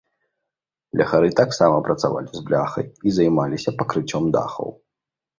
Бляхары таксама працавалі з бляхай і займаліся пакрыццём дахаў.